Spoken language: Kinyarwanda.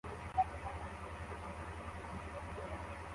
Umugabo wo muri Aziya arimo kugenda mumuhanda hamwe nibyo yaguze